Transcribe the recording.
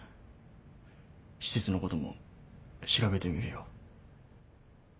施設のことも調べてみるよ。